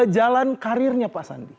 jalan karirnya pas sandi